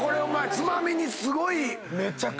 つまみにすごいいい。